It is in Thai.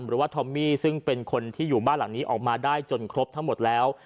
หรือว่าทอมมี่ซึ่งเป็นคนที่อยู่บ้านหลังนี้ออกมาได้จนครบทั้งหมดแล้ว